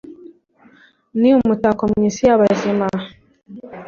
ni umutako mw'isi y'abazima